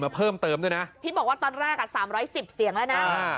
มาเพิ่มเติมด้วยนะที่บอกว่าตอนแรก๓๑๐เสียงแล้วนะ